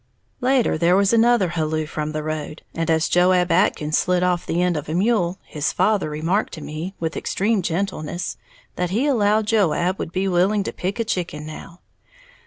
Later, there was another halloo from the road, and as Joab Atkins slid off the end of a mule, his father remarked to me, with extreme gentleness, that he allowed Joab would be willing to pick a chicken now.